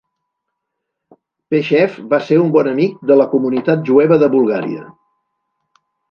Peshev va ser un bon amic de la comunitat jueva de Bulgària.